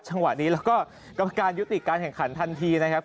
จังหวะนี้เราก็กำปลาการยุดติกการแข่งขันที่นะครับ